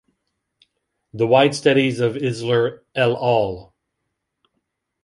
The wide studies of Isler “el all”.